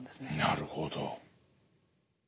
なるほど。